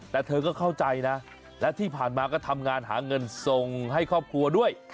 แต่เธอก็เข้าใจนะและที่ผ่านมาก็ทำงานหาเงินส่งให้ครอบครัวด้วย